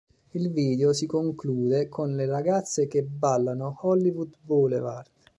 Il video si conclude con le ragazze che ballano Hollywood Boulevard.